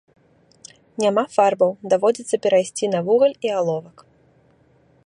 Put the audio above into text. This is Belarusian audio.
Няма фарбаў, даводзіцца перайсці на вугаль і аловак.